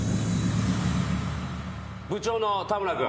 部長の田村君。